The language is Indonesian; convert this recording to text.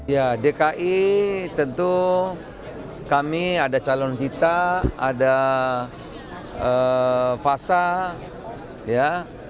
ya dki tentu kami ada calon kita ada fasa ya